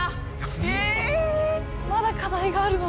ええまだ課題があるの？